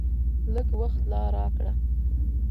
لږ وخت لا راکړه !